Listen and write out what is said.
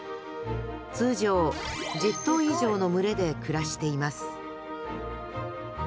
通常１０頭以上の群れで暮らしています